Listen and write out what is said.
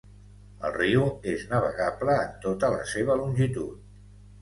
El riu és navegable en tota la seva longitud.